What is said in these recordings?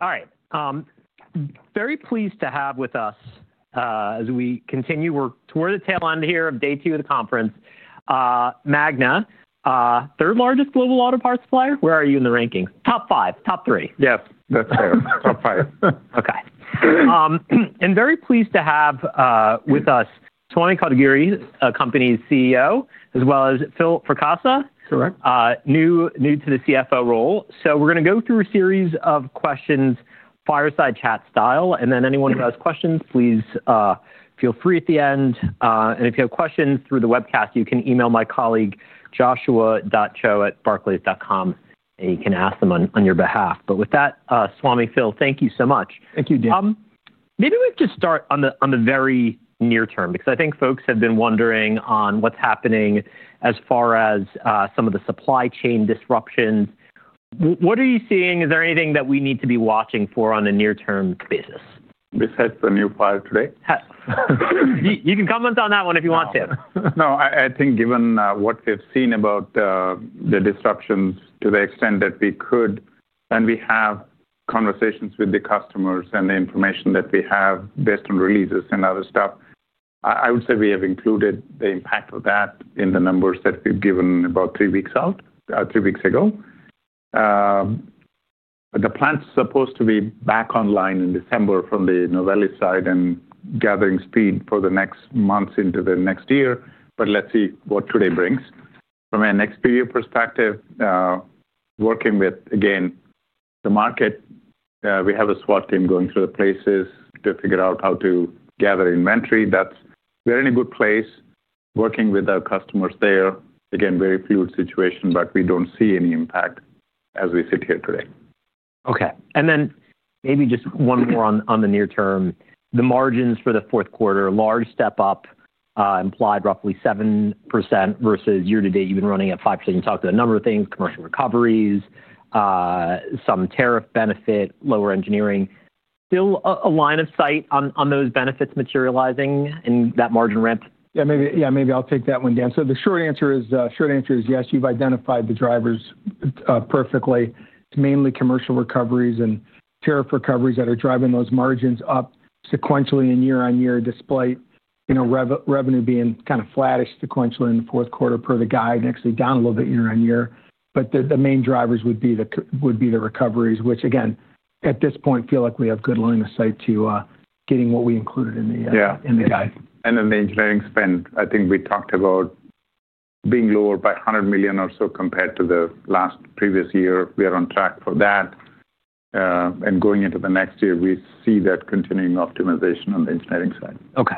All right. Very pleased to have with us as we continue to wear the tail end here of day two of the conference, Magna, third largest global auto parts supplier. Where are you in the rankings? Top five, top three. Yes, that's fair. Top five. Okay. Very pleased to have with us Tony Coppetti, a company's CEO, as well as Phil Fracassa, new to the CFO role. We are going to go through a series of questions, fireside chat style. Anyone who has questions, please feel free at the end. If you have questions through the webcast, you can email my colleague, joshua.cho@barkley.com, and you can ask them on your behalf. With that, Swamy, Phil, thank you so much. Thank you, Dave. Maybe we have to start on the very near term because I think folks have been wondering on what's happening as far as some of the supply chain disruptions. What are you seeing? Is there anything that we need to be watching for on a near-term basis? Besides the new fire today? You can comment on that one if you want to. No, I think given what we've seen about the disruptions to the extent that we could, and we have conversations with the customers and the information that we have based on releases and other stuff, I would say we have included the impact of that in the numbers that we've given about three weeks ago. The plant's supposed to be back online in December from the Novelli side and gathering speed for the next months into the next year. Let's see what today brings. From an expert perspective, working with, again, the market, we have a SWAT team going through the places to figure out how to gather inventory. That's very good place. Working with our customers there, again, very fluid situation, but we don't see any impact as we sit here today. Okay. Maybe just one more on the near term, the margins for the fourth quarter, large step up implied, roughly 7% versus year to date, you've been running at 5%. You talked to a number of things, commercial recoveries, some tariff benefit, lower engineering. Still a line of sight on those benefits materializing in that margin ramp? Yeah, maybe I'll take that one down. The short answer is yes, you've identified the drivers perfectly. It's mainly commercial recoveries and tariff recoveries that are driving those margins up sequentially and year on year, despite revenue being kind of flattish sequentially in the fourth quarter per the guide, actually down a little bit year on year. The main drivers would be the recoveries, which, again, at this point, feel like we have good line of sight to getting what we included in the guide. The engineering spend, I think we talked about being lower by $100 million or so compared to the last previous year. We are on track for that. Going into the next year, we see that continuing optimization on the engineering side. Okay.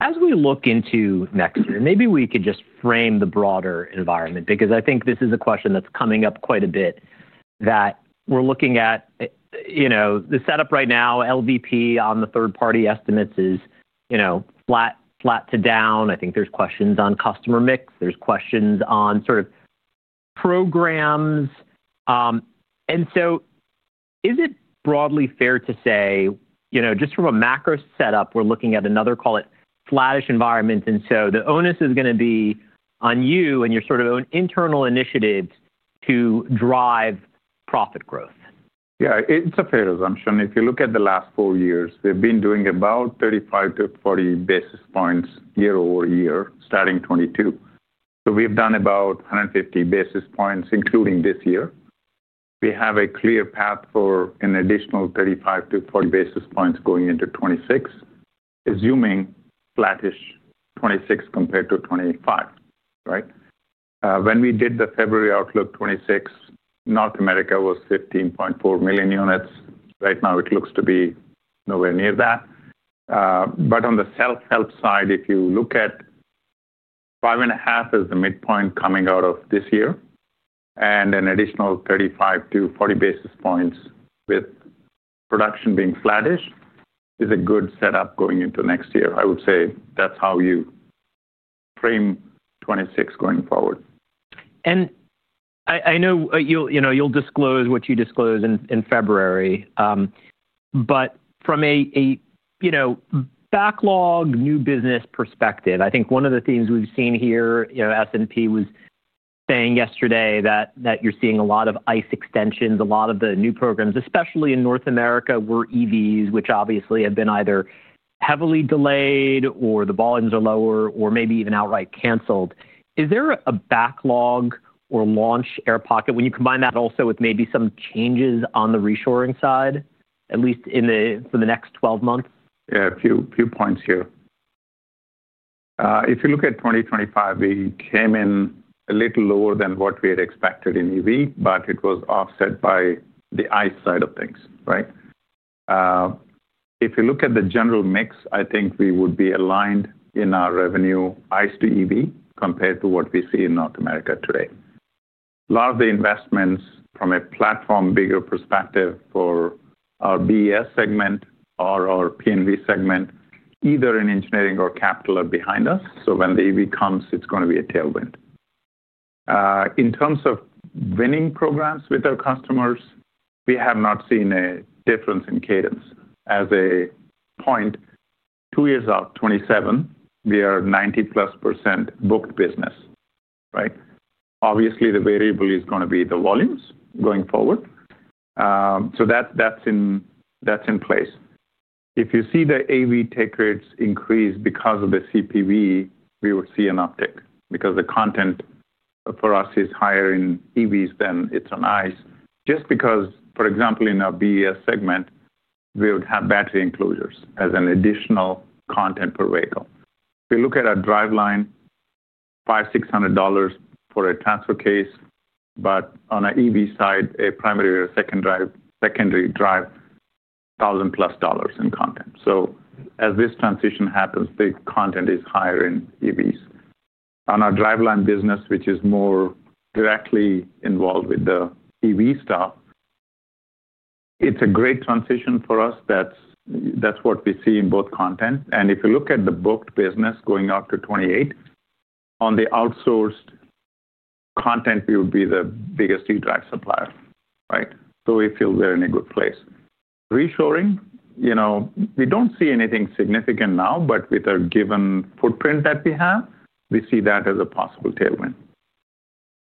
As we look into next year, maybe we could just frame the broader environment because I think this is a question that's coming up quite a bit that we're looking at the setup right now, LVP on the third-party estimates is flat to down. I think there's questions on customer mix. There's questions on sort of programs. Is it broadly fair to say just from a macro setup, we're looking at another, call it, flattish environment? The onus is going to be on you and your sort of own internal initiatives to drive profit growth? Yeah, it's a fair assumption. If you look at the last four years, we've been doing about 35-40 basis points year over year starting 2022. So we've done about 150 basis points, including this year. We have a clear path for an additional 35-40 basis points going into 2026, assuming flattish 2026 compared to 2025, right? When we did the February outlook 2026, North America was 15.4 million units. Right now, it looks to be nowhere near that. On the self-help side, if you look at five and a half as the midpoint coming out of this year and an additional 35-40 basis points with production being flattish, it's a good setup going into next year. I would say that's how you frame 2026 going forward. I know you'll disclose what you disclose in February. From a backlog new business perspective, I think one of the themes we've seen here, S&P was saying yesterday that you're seeing a lot of ICE extensions, a lot of the new programs, especially in North America, were EVs, which obviously have been either heavily delayed or the volumes are lower or maybe even outright canceled. Is there a backlog or launch air pocket when you combine that also with maybe some changes on the reshoring side, at least for the next 12 months? Yeah, a few points here. If you look at 2025, we came in a little lower than what we had expected in EV, but it was offset by the ICE side of things, right? If you look at the general mix, I think we would be aligned in our revenue ICE to EV compared to what we see in North America today. A lot of the investments from a platform bigger perspective for our BES segment or our PNV segment, either in engineering or capital are behind us. When the EV comes, it's going to be a tailwind. In terms of winning programs with our customers, we have not seen a difference in cadence. As a point, two years out, 2027, we are +90% booked business, right? Obviously, the variable is going to be the volumes going forward. That's in place. If you see the AV take rates increase because of the CPV, we would see an uptick because the content for us is higher in EVs than it's on ICE just because, for example, in our BES segment, we would have battery enclosures as an additional content per vehicle. If you look at our driveline, $500-$600 for a transfer case. In an EV side, a primary or secondary drive, $1,000 plus in content. As this transition happens, the content is higher in EVs. On our driveline business, which is more directly involved with the EV stuff, it's a great transition for us. That's what we see in both content. If you look at the booked business going up to 2028, on the outsourced content, we would be the biggest EDR supplier, right? We feel we're in a good place. Reshoring, we do not see anything significant now, but with our given footprint that we have, we see that as a possible tailwind.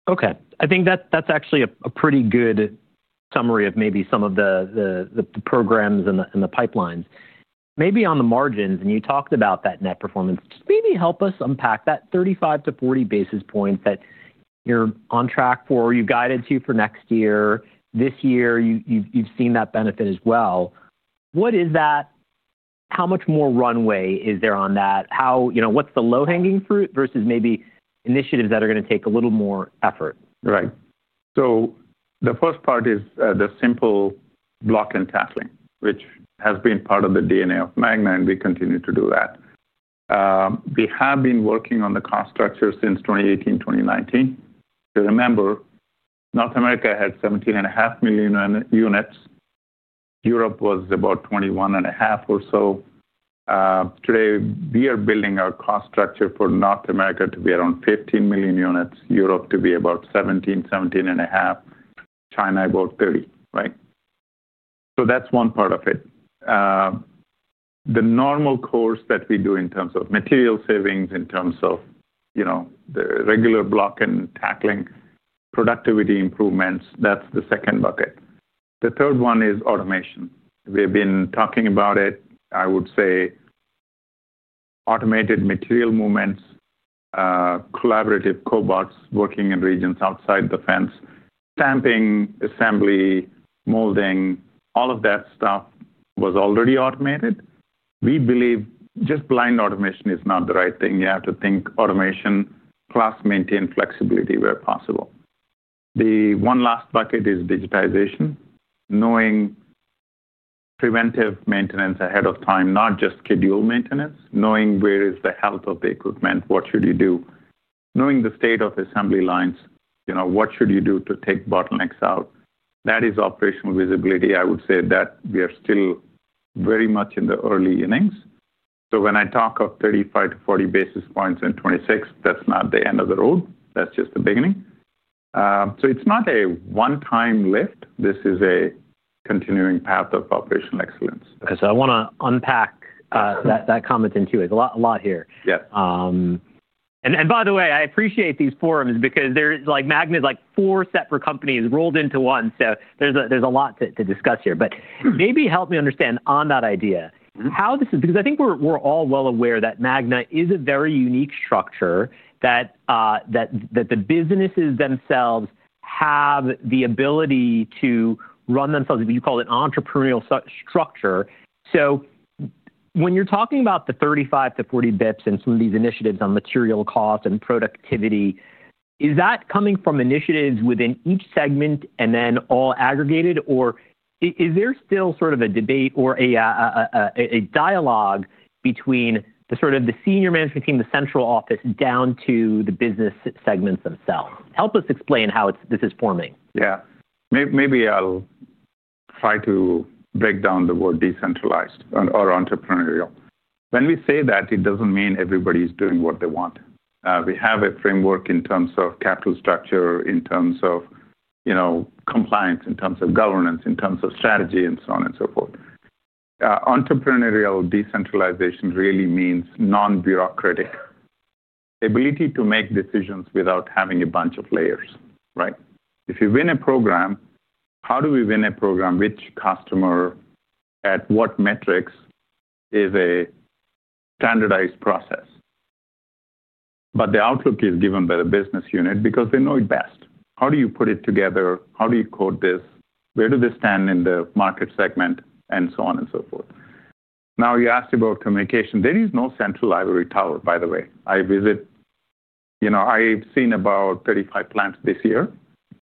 Okay. I think that's actually a pretty good summary of maybe some of the programs and the pipelines. Maybe on the margins, and you talked about that net performance, just maybe help us unpack that 35-40 basis points that you're on track for, you guided to for next year. This year, you've seen that benefit as well. What is that? How much more runway is there on that? What's the low-hanging fruit versus maybe initiatives that are going to take a little more effort? Right. The first part is the simple block and tackling, which has been part of the DNA of Magna, and we continue to do that. We have been working on the cost structure since 2018, 2019. Remember, North America had 17.5 million units. Europe was about 21.5 or so. Today, we are building our cost structure for North America to be around 15 million units, Europe to be about 17-17.5, China about 30, right? That is one part of it. The normal course that we do in terms of material savings, in terms of the regular block and tackling, productivity improvements, that is the second bucket. The third one is automation. We have been talking about it. I would say automated material movements, collaborative cobots working in regions outside the fence, stamping, assembly, molding, all of that stuff was already automated. We believe just blind automation is not the right thing. You have to think automation, plus maintain flexibility where possible. The one last bucket is digitization, knowing preventive maintenance ahead of time, not just schedule maintenance, knowing where is the health of the equipment, what should you do, knowing the state of assembly lines, what should you do to take bottlenecks out. That is operational visibility. I would say that we are still very much in the early innings. When I talk of 35-40 basis points in 2026, that's not the end of the road. That's just the beginning. It's not a one-time lift. This is a continuing path of operational excellence. Okay. I want to unpack that comment in two ways. A lot here. Yes. By the way, I appreciate these forums because they're like Magna's like four separate companies rolled into one. There is a lot to discuss here. Maybe help me understand on that idea how this is because I think we're all well aware that Magna is a very unique structure, that the businesses themselves have the ability to run themselves, what you call an entrepreneurial structure. When you're talking about the 35-40 basis points and some of these initiatives on material cost and productivity, is that coming from initiatives within each segment and then all aggregated? Or is there still sort of a debate or a dialogue between the sort of the senior management team, the central office down to the business segments themselves? Help us explain how this is forming. Yeah. Maybe I'll try to break down the word decentralized or entrepreneurial. When we say that, it doesn't mean everybody's doing what they want. We have a framework in terms of capital structure, in terms of compliance, in terms of governance, in terms of strategy, and so on and so forth. Entrepreneurial decentralization really means non-bureaucratic ability to make decisions without having a bunch of layers, right? If you win a program, how do we win a program? Which customer at what metrics is a standardized process? But the outlook is given by the business unit because they know it best. How do you put it together? How do you code this? Where do they stand in the market segment? And so on and so forth. Now, you asked about communication. There is no central library tower, by the way. I visit. I've seen about 35 plants this year.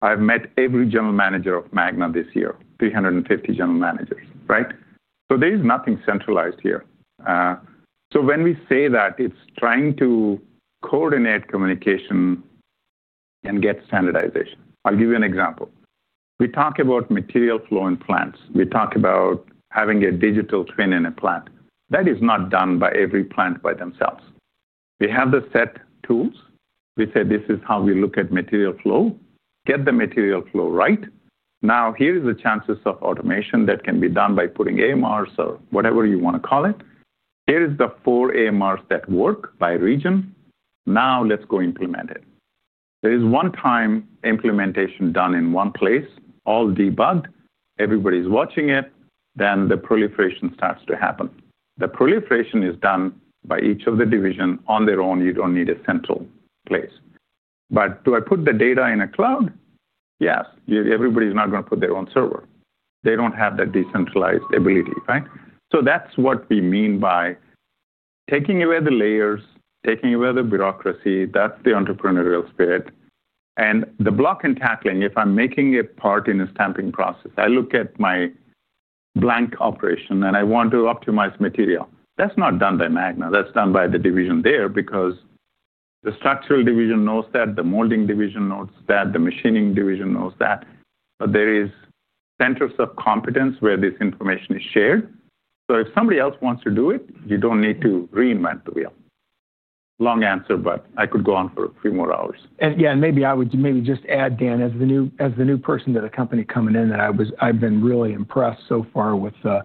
I've met every general manager of Magna this year, 350 general managers, right? There is nothing centralized here. When we say that, it's trying to coordinate communication and get standardization. I'll give you an example. We talk about material flow in plants. We talk about having a digital twin in a plant. That is not done by every plant by themselves. We have the set tools. We say, "This is how we look at material flow. Get the material flow right." Here are the chances of automation that can be done by putting AMRs or whatever you want to call it. Here are the four AMRs that work by region. Let's go implement it. There is one-time implementation done in one place, all debugged. Everybody's watching it. The proliferation starts to happen. The proliferation is done by each of the divisions on their own. You don't need a central place. Do I put the data in a cloud? Yes. Everybody's not going to put their own server. They don't have that decentralized ability, right? That's what we mean by taking away the layers, taking away the bureaucracy. That's the entrepreneurial spirit. The block and tackling, if I'm making a part in a stamping process, I look at my blank operation and I want to optimize material. That's not done by Magna. That's done by the division there because the structural division knows that, the molding division knows that, the machining division knows that. There are centers of competence where this information is shared. If somebody else wants to do it, you don't need to reinvent the wheel. Long answer, but I could go on for a few more hours. Yeah, maybe I would just add, Dan, as the new person to the company coming in, that I've been really impressed so far with the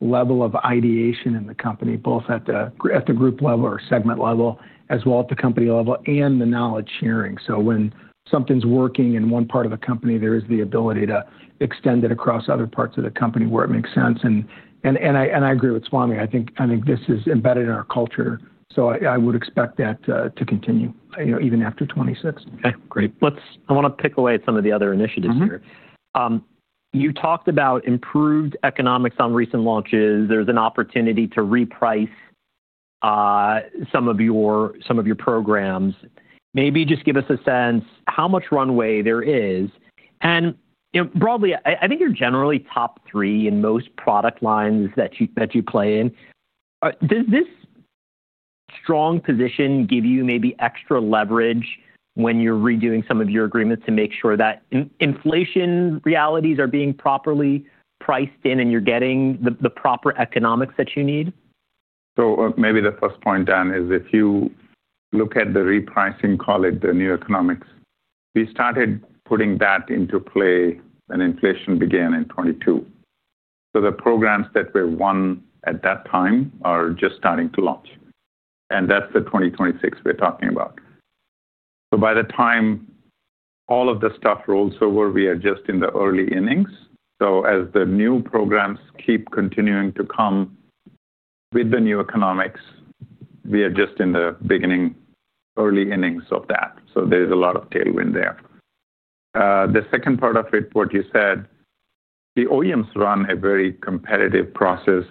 level of ideation in the company, both at the group level or segment level as well as at the company level and the knowledge sharing. When something's working in one part of the company, there is the ability to extend it across other parts of the company where it makes sense. I agree with Swamy. I think this is embedded in our culture. I would expect that to continue even after 2026. Okay. Great. I want to pick away at some of the other initiatives here. You talked about improved economics on recent launches. There's an opportunity to reprice some of your programs. Maybe just give us a sense of how much runway there is. Broadly, I think you're generally top three in most product lines that you play in. Does this strong position give you maybe extra leverage when you're redoing some of your agreements to make sure that inflation realities are being properly priced in and you're getting the proper economics that you need? Maybe the first point, Dan, is if you look at the repricing, call it the new economics, we started putting that into play when inflation began in 2022. The programs that were won at that time are just starting to launch. That is the 2026 we are talking about. By the time all of the stuff rolls over, we are just in the early innings. As the new programs keep continuing to come with the new economics, we are just in the beginning, early innings of that. There is a lot of tailwind there. The second part of it, what you said, the OEMs run a very competitive process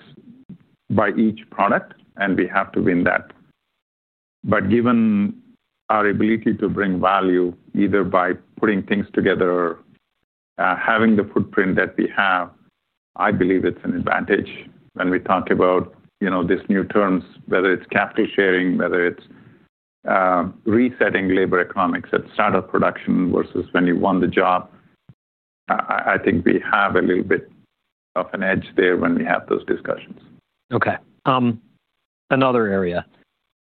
by each product, and we have to win that. Given our ability to bring value either by putting things together or having the footprint that we have, I believe it's an advantage when we talk about these new terms, whether it's capital sharing, whether it's resetting labor economics at startup production versus when you won the job. I think we have a little bit of an edge there when we have those discussions. Okay. Another area,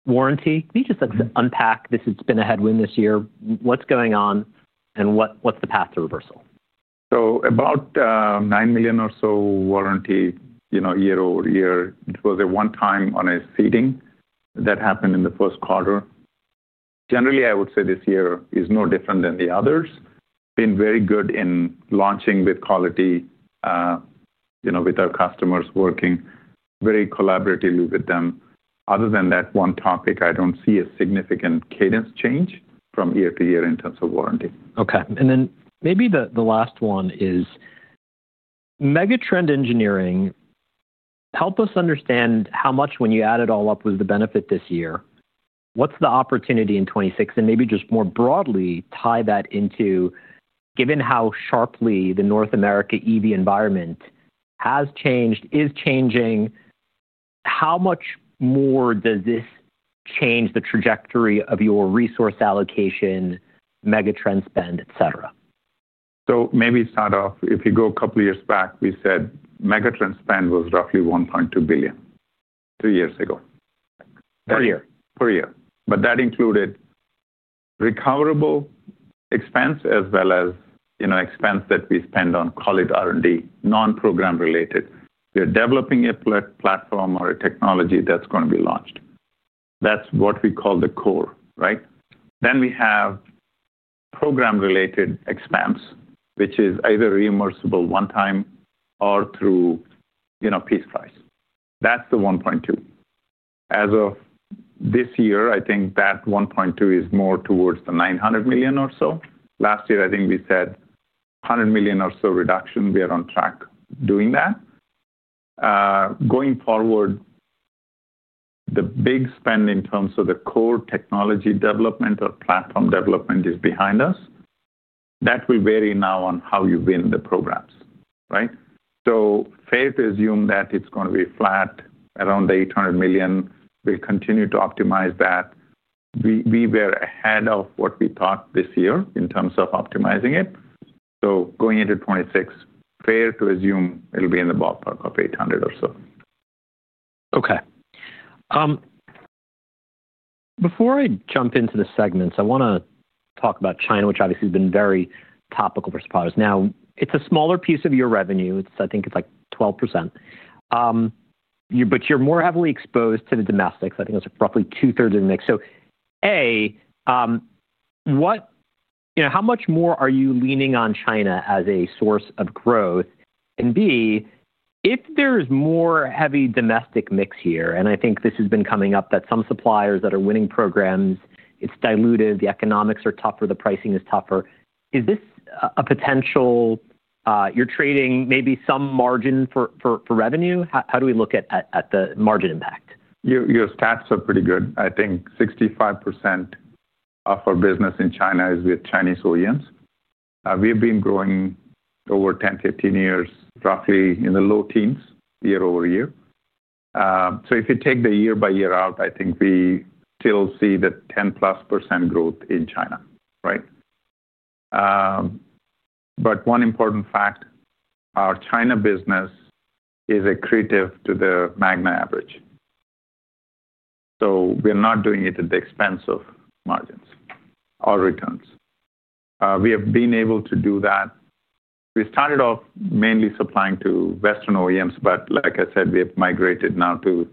warranty. Can you just unpack this? It's been a headwind this year. What's going on and what's the path to reversal? About $9 million or so warranty year over year. It was a one-time on a seating that happened in the first quarter. Generally, I would say this year is no different than the others. Been very good in launching with quality, with our customers working very collaboratively with them. Other than that one topic, I don't see a significant cadence change from year to year in terms of warranty. Okay. Maybe the last one is MegaTrend Engineering. Help us understand how much, when you add it all up, was the benefit this year. What's the opportunity in 2026? Maybe just more broadly, tie that into, given how sharply the North America EV environment has changed, is changing, how much more does this change the trajectory of your resource allocation, MegaTrend spend, etc.? Maybe start off, if you go a couple of years back, we said MegaTrend spend was roughly $1.2 billion two years ago. Per year. Per year. That included recoverable expense as well as expense that we spend on, call it R&D, non-program-related. We are developing a platform or a technology that is going to be launched. That is what we call the core, right? We have program-related expense, which is either reimbursable one-time or through piece price. That is the $1.2 billion. As of this year, I think that $1.2 billion is more towards the $900 million or so. Last year, I think we said $100 million or so reduction. We are on track doing that. Going forward, the big spend in terms of the core technology development or platform development is behind us. That will vary now on how you win the programs, right? It is fair to assume that it is going to be flat around the $800 million. We will continue to optimize that. We were ahead of what we thought this year in terms of optimizing it. Going into 2026, fair to assume it'll be in the ballpark of 800 or so. Okay. Before I jump into the segments, I want to talk about China, which obviously has been very topical for suppliers. Now, it's a smaller piece of your revenue. I think it's like 12%. But you're more heavily exposed to the domestics. I think it's roughly two-thirds of the mix. A, how much more are you leaning on China as a source of growth? B, if there's more heavy domestic mix here, and I think this has been coming up that some suppliers that are winning programs, it's diluted, the economics are tougher, the pricing is tougher. Is this a potential you're trading maybe some margin for revenue? How do we look at the margin impact? Your stats are pretty good. I think 65% of our business in China is with Chinese OEMs. We've been growing over 10, 15 years, roughly in the low teens year over year. If you take the year-by-year out, I think we still see the +10% growth in China, right? One important fact, our China business is accretive to the Magna average. We're not doing it at the expense of margins or returns. We have been able to do that. We started off mainly supplying to Western OEMs, but like I said, we have migrated now to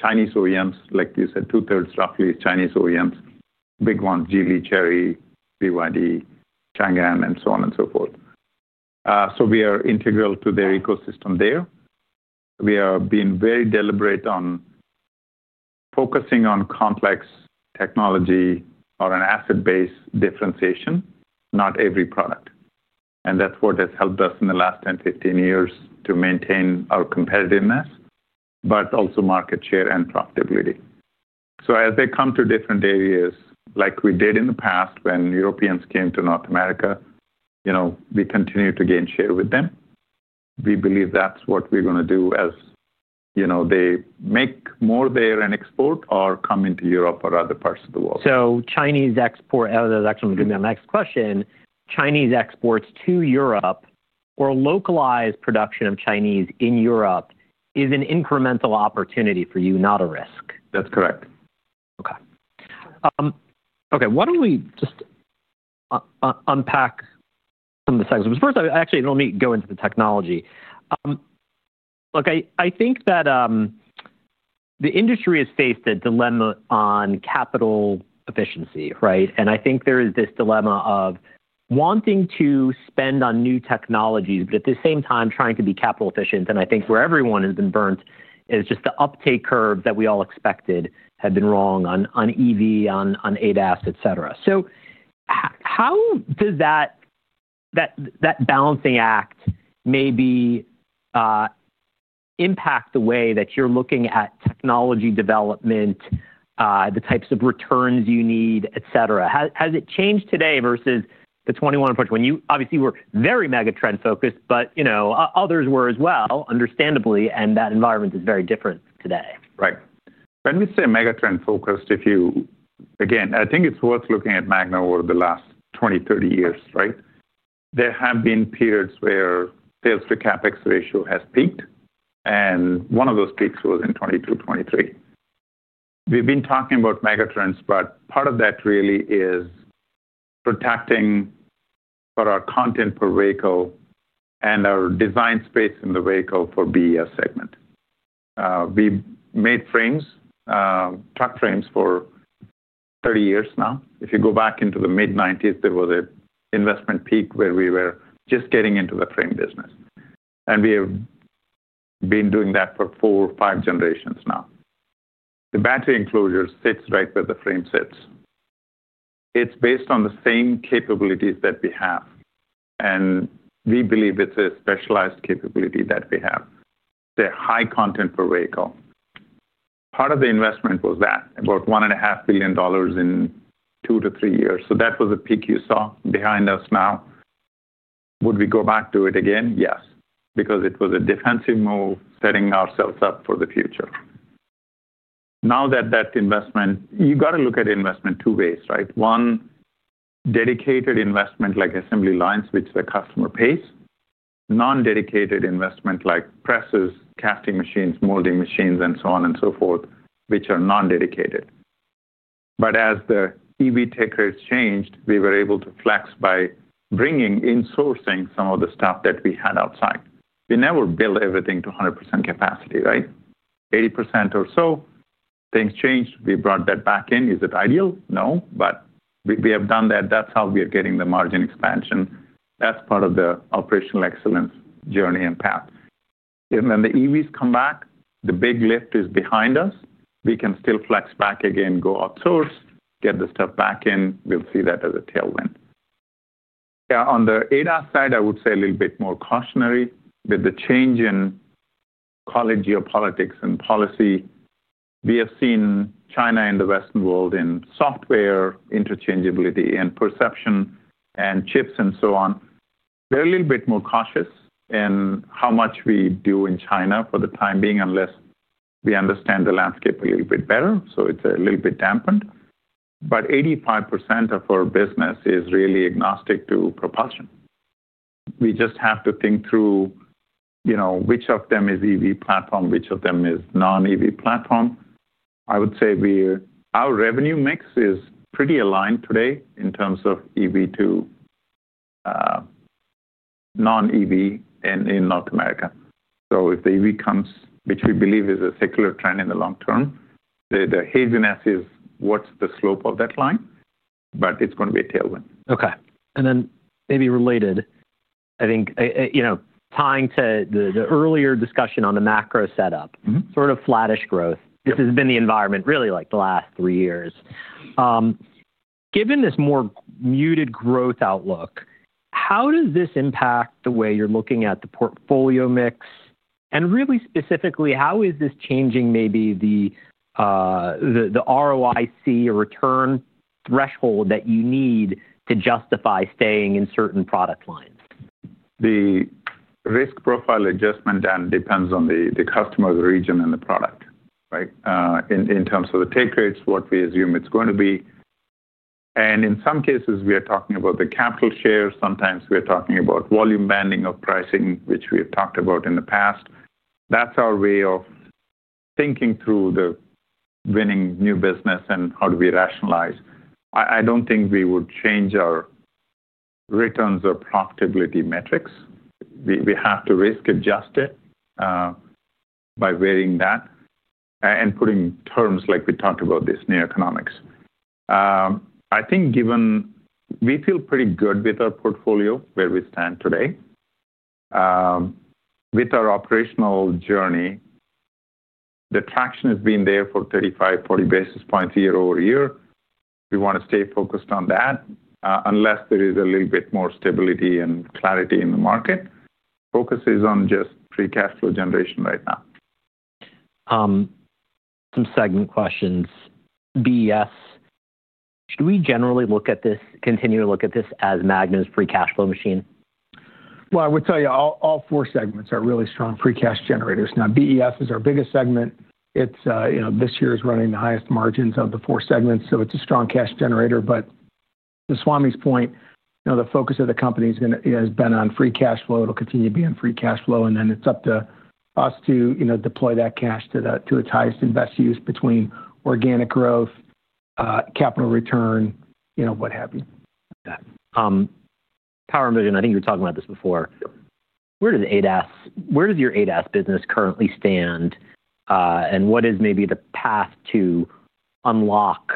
Chinese OEMs. Like you said, two-thirds roughly Chinese OEMs, big ones, Geely, Chery, BYD, Changan, and so on and so forth. We are integral to their ecosystem there. We have been very deliberate on focusing on complex technology or an asset-based differentiation, not every product. That is what has helped us in the last 10, 15 years to maintain our competitiveness, but also market share and profitability. As they come to different areas, like we did in the past when Europeans came to North America, we continue to gain share with them. We believe that is what we are going to do as they make more there and export or come into Europe or other parts of the world. Chinese export, that's actually going to be my next question. Chinese exports to Europe or localized production of Chinese in Europe is an incremental opportunity for you, not a risk. That's correct. Okay. Okay. Why don't we just unpack some of the segments? First, actually, let me go into the technology. Look, I think that the industry has faced a dilemma on capital efficiency, right? I think there is this dilemma of wanting to spend on new technologies, but at the same time trying to be capital efficient. I think where everyone has been burnt is just the uptake curve that we all expected had been wrong on EV, on ADAS, etc. How does that balancing act maybe impact the way that you're looking at technology development, the types of returns you need, etc.? Has it changed today versus the 2021 approach when you obviously were very MegaTrend-focused, but others were as well, understandably, and that environment is very different today? Right. When we say MegaTrend-focused, again, I think it's worth looking at Magna over the last 20, 30 years, right? There have been periods where sales-to-capex ratio has peaked, and one of those peaks was in 2022, 2023. We've been talking about MegaTrends, but part of that really is protecting our content per vehicle and our design space in the vehicle for BES segment. We made frames, truck frames for 30 years now. If you go back into the mid-1990s, there was an investment peak where we were just getting into the frame business. And we have been doing that for four, five generations now. The battery enclosure sits right where the frame sits. It's based on the same capabilities that we have. And we believe it's a specialized capability that we have. It's a high content per vehicle. Part of the investment was that, about $1.5 billion in two to three years. That was a peak you saw behind us now. Would we go back to it again? Yes, because it was a defensive move, setting ourselves up for the future. Now that that investment, you got to look at investment two ways, right? One, dedicated investment like assembly lines, which the customer pays. Non-dedicated investment like presses, casting machines, molding machines, and so on and so forth, which are non-dedicated. As the EV tech rates changed, we were able to flex by bringing in sourcing some of the stuff that we had outside. We never build everything to 100% capacity, right? 80% or so, things changed. We brought that back in. Is it ideal? No, but we have done that. That is how we are getting the margin expansion. That's part of the operational excellence journey and path. When the EVs come back, the big lift is behind us. We can still flex back again, go outsource, get the stuff back in. We will see that as a tailwind. Yeah. On the ADAS side, I would say a little bit more cautionary with the change in college geopolitics and policy. We have seen China and the Western world in software interchangeability and perception and chips and so on. We are a little bit more cautious in how much we do in China for the time being unless we understand the landscape a little bit better. It is a little bit dampened. 85% of our business is really agnostic to propulsion. We just have to think through which of them is EV platform, which of them is non-EV platform. I would say our revenue mix is pretty aligned today in terms of EV to non-EV in North America. If the EV comes, which we believe is a secular trend in the long term, the haziness is what's the slope of that line, but it's going to be a tailwind. Okay. Maybe related, I think tying to the earlier discussion on the macro setup, sort of flattish growth. This has been the environment really like the last three years. Given this more muted growth outlook, how does this impact the way you're looking at the portfolio mix? Really specifically, how is this changing maybe the ROIC or return threshold that you need to justify staying in certain product lines? The risk profile adjustment, Dan, depends on the customer's region and the product, right? In terms of the take rates, what we assume it's going to be. In some cases, we are talking about the capital share. Sometimes we are talking about volume banding of pricing, which we have talked about in the past. That's our way of thinking through the winning new business and how do we rationalize. I don't think we would change our returns or profitability metrics. We have to risk adjust it by weighing that and putting terms like we talked about this near economics. I think given we feel pretty good with our portfolio where we stand today. With our operational journey, the traction has been there for 35-40 basis points year over year. We want to stay focused on that unless there is a little bit more stability and clarity in the market. Focus is on just free cash flow generation right now. Some segment questions. BES, should we generally look at this, continue to look at this as Magna's free cash flow machine? I would tell you all four segments are really strong free cash generators. Now, BES is our biggest segment. This year is running the highest margins of the four segments. It is a strong cash generator. To Swamy's point, the focus of the company has been on free cash flow. It will continue to be on free cash flow. It is up to us to deploy that cash to its highest and best use between organic growth, capital return, what have you. Power and Vision, I think you were talking about this before. Where does your ADAS business currently stand? What is maybe the path to unlock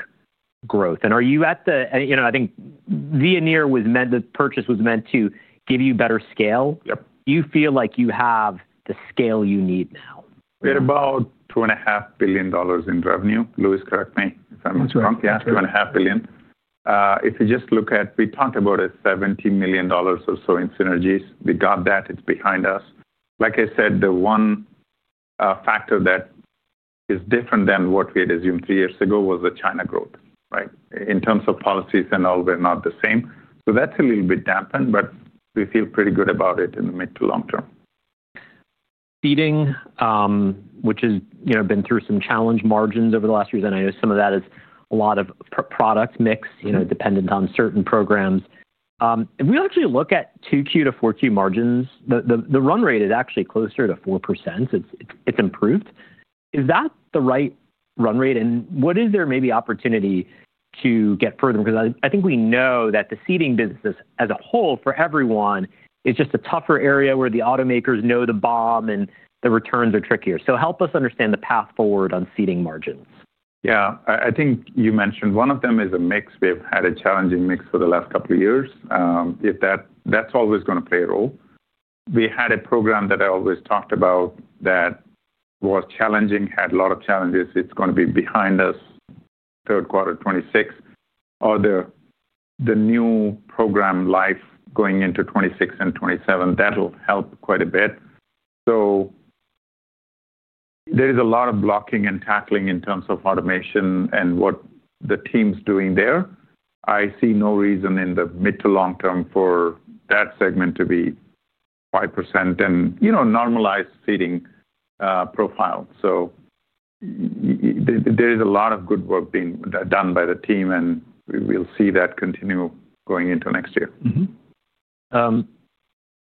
growth? Are you at the, I think, Veoneer or the purchase was meant to give you better scale. Do you feel like you have the scale you need now? We're about $2.5 billion in revenue. Louis, correct me if I'm wrong. That's right. Yeah, $2.5 billion. If you just look at we talked about it, $70 million or so in synergies. We got that. It's behind us. Like I said, the one factor that is different than what we had assumed three years ago was the China growth, right? In terms of policies and all, we're not the same. That's a little bit dampened, but we feel pretty good about it in the mid to long term. Exceeding, which has been through some challenge margins over the last few years. I know some of that is a lot of product mix dependent on certain programs. If we actually look at 2Q to 4Q margins, the run rate is actually closer to 4%. It's improved. Is that the right run rate? What is there maybe opportunity to get further? I think we know that the seating business as a whole for everyone is just a tougher area where the automakers know the bomb and the returns are trickier. Help us understand the path forward on seating margins. Yeah. I think you mentioned one of them is a mix. We've had a challenging mix for the last couple of years. That's always going to play a role. We had a program that I always talked about that was challenging, had a lot of challenges. It's going to be behind us, third quarter, 2026. The new program life going into 2026 and 2027, that'll help quite a bit. There is a lot of blocking and tackling in terms of automation and what the team's doing there. I see no reason in the mid to long term for that segment to be 5% and normalized seating profile. There is a lot of good work being done by the team, and we'll see that continue going into next year.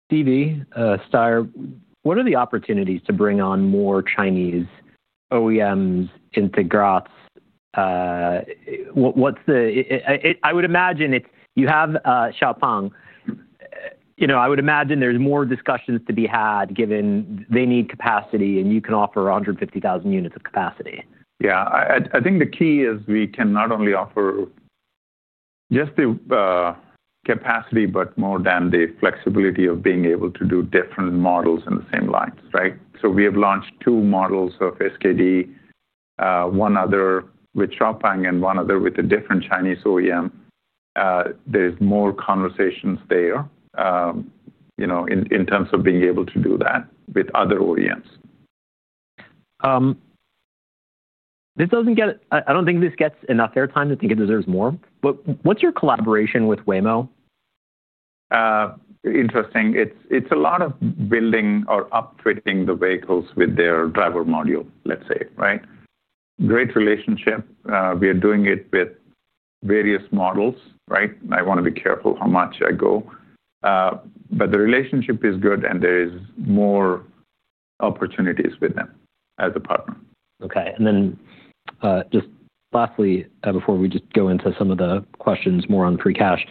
Stevie, Starr, what are the opportunities to bring on more Chinese OEMs into Graz? I would imagine you have XPeng. I would imagine there's more discussions to be had given they need capacity and you can offer 150,000 units of capacity. Yeah. I think the key is we can not only offer just the capacity, but more than the flexibility of being able to do different models in the same lines, right? We have launched two models of SKD, one other with XPeng and one other with a different Chinese OEM. There are more conversations there in terms of being able to do that with other OEMs. I don't think this gets enough airtime. I think it deserves more. What is your collaboration with Waymo? Interesting. It's a lot of building or upfitting the vehicles with their driver module, let's say, right? Great relationship. We are doing it with various models, right? I want to be careful how much I go. The relationship is good, and there are more opportunities with them as a partner. Okay. Lastly, before we just go into some of the questions more on free cash,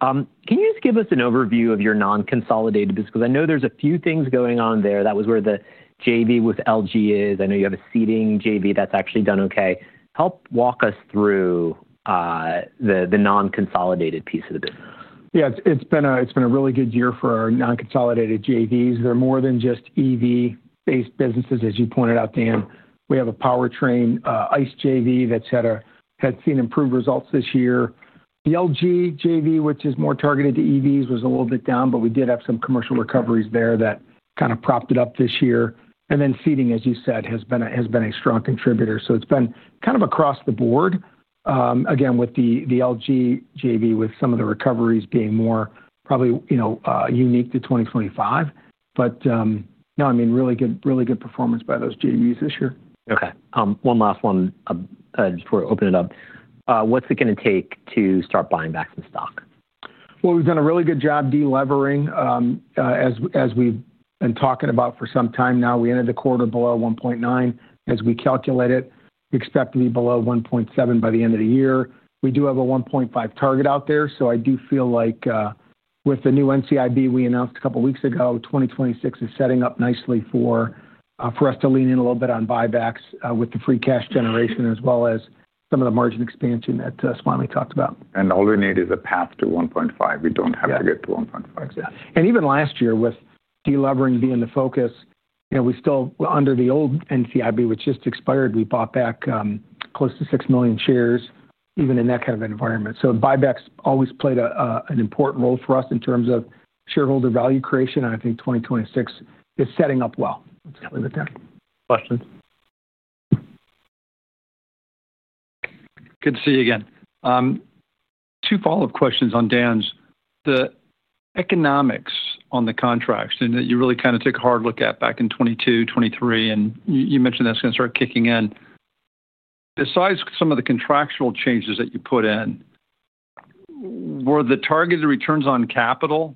can you just give us an overview of your non-consolidated business? Because I know there's a few things going on there. That was where the JV with LG is. I know you have a seating JV that's actually done okay. Help walk us through the non-consolidated piece of the business. Yeah. It's been a really good year for our non-consolidated JVs. They're more than just EV-based businesses, as you pointed out, Dan. We have a powertrain ICE JV that had seen improved results this year. The LG JV, which is more targeted to EVs, was a little bit down, but we did have some commercial recoveries there that kind of propped it up this year. Seating, as you said, has been a strong contributor. It's been kind of across the board. Again, with the LG JV, with some of the recoveries being more probably unique to 2025. No, I mean, really good performance by those JVs this year. Okay. One last one before I open it up. What's it going to take to start buying back some stock? We have done a really good job delevering as we have been talking about for some time now. We ended the quarter below 1.9. As we calculate it, we expect to be below 1.7 by the end of the year. We do have a 1.5 target out there. I do feel like with the new NCIB we announced a couple of weeks ago, 2026 is setting up nicely for us to lean in a little bit on buybacks with the free cash generation as well as some of the margin expansion that Swamy talked about. All we need is a path to 1.5. We don't have to get to 1.5. Exactly. Even last year with delevering being the focus, we still under the old NCIB, which just expired, bought back close to 6 million shares even in that kind of environment. Buybacks always played an important role for us in terms of shareholder value creation. I think 2026 is setting up well. Let's leave it there. [Questions?] brackets Good to see you again. Two follow-up questions on Dan's. The economics on the contracts that you really kind of took a hard look at back in 2022, 2023, and you mentioned that's going to start kicking in. Besides some of the contractual changes that you put in, were the targeted returns on capital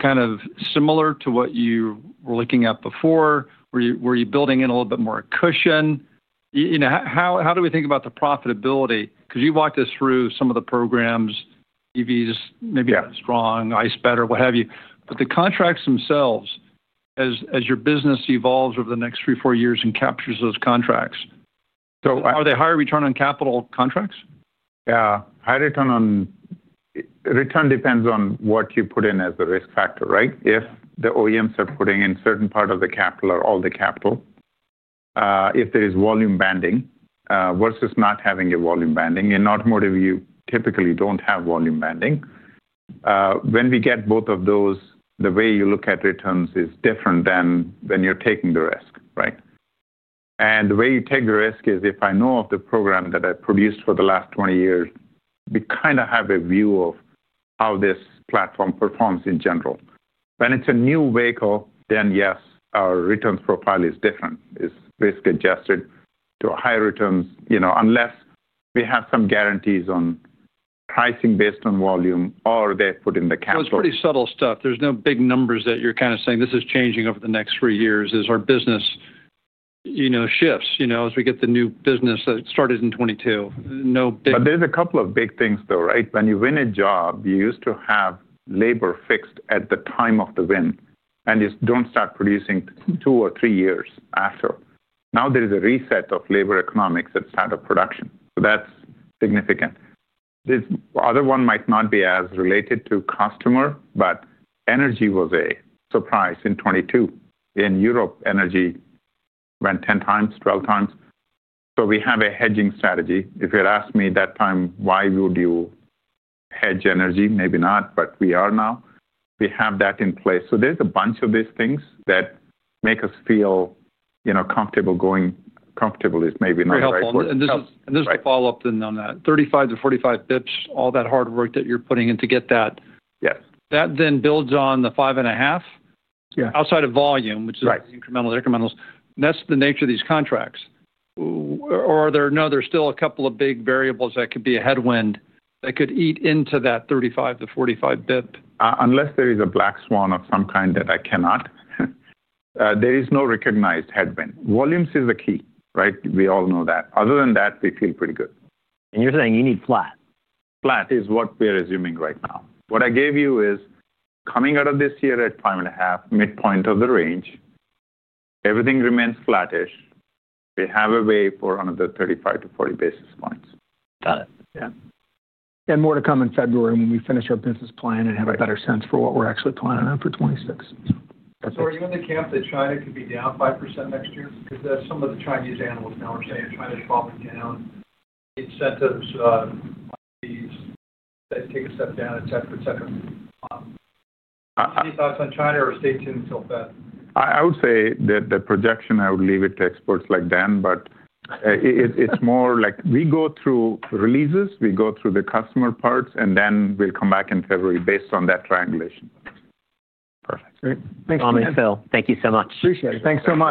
kind of similar to what you were looking at before? Were you building in a little bit more cushion? How do we think about the profitability? Because you walked us through some of the programs, EVs, maybe strong, ICE better, what have you. The contracts themselves, as your business evolves over the next three, four years and captures those contracts, are they higher return on capital contracts? Yeah. High return on return depends on what you put in as a risk factor, right? If the OEMs are putting in a certain part of the capital or all the capital, if there is volume banding versus not having a volume banding. In automotive, you typically do not have volume banding. When we get both of those, the way you look at returns is different than when you are taking the risk, right? The way you take the risk is if I know of the program that I produced for the last 20 years, we kind of have a view of how this platform performs in general. When it is a new vehicle, then yes, our returns profile is different. It is risk-adjusted to higher returns unless we have some guarantees on pricing based on volume or they put in the capital. It's pretty subtle stuff. There's no big numbers that you're kind of saying, "This is changing over the next three years," as our business shifts as we get the new business that started in 2022. No big. There's a couple of big things though, right? When you win a job, you used to have labor fixed at the time of the win. You do not start producing two or three years after. Now there is a reset of labor economics at the start of production. That is significant. This other one might not be as related to customer, but energy was a surprise in 2022. In Europe, energy went 10 times, 12 times. We have a hedging strategy. If you'd ask me that time, "Why would you hedge energy?" Maybe not, but we are now. We have that in place. There is a bunch of these things that make us feel comfortable. Going comfortable is maybe not right. There's a follow-up then on that. 35-45 basis points, all that hard work that you're putting in to get that. Yes. That then builds on the five and a half outside of volume, which is incremental to incrementals. That's the nature of these contracts. Are there still a couple of big variables that could be a headwind that could eat into that 35-45 basis points? Unless there is a black swan of some kind that I cannot, there is no recognized headwind. Volumes is the key, right? We all know that. Other than that, we feel pretty good. You're saying you need flat. Flat is what we're assuming right now. What I gave you is coming out of this year at five and a half, midpoint of the range, everything remains flattish. We have a way for another 35-40 basis points. Got it. Yeah. More to come in February when we finish our business plan and have a better sense for what we're actually planning on for 2026. Are you in the camp that China could be down 5% next year? Because some of the Chinese analysts now are saying China's falling down, incentives, fees, they take a step down, etc., etc. Any thoughts on China or stay tuned till Fed? I would say that the projection, I would leave it to experts like Dan, but it's more like we go through releases, we go through the customer parts, and then we'll come back in February based on that triangulation. Perfect. Great. Thanks, Phil. Thank you so much. Appreciate it. Thanks so much.